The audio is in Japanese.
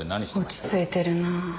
落ち着いてるなぁ。